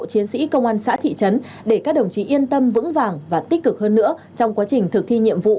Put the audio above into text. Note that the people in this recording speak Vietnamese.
chiến sĩ công an xã thị trấn để các đồng chí yên tâm vững vàng và tích cực hơn nữa trong quá trình thực thi nhiệm vụ